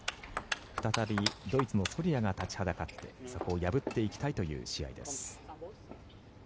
再びドイツのソルヤが立ちはだかって破っていきたいという試合です。